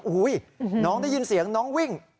น้องได้ยินเสียงน้องวิ่ง